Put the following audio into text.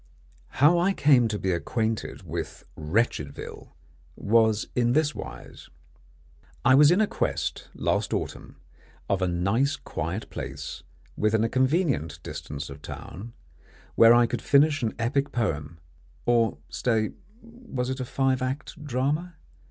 How I came to be acquainted with Wretchedville was in this wise. I was in quest last autumn of a nice quiet place within a convenient distance of town, where I could finish an epic poem or stay, was it a five act drama?